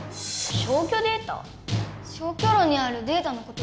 消去炉にあるデータのことですか？